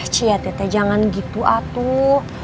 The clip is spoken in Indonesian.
cia tete jangan gitu atuh